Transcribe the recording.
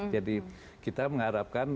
jadi kita mengharapkan